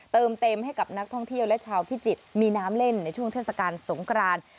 เติมเต็มให้กับนักท่องเที่ยวและชาวพิจิตรมีน้ำเล่นในช่วงเทศกาลสงคราน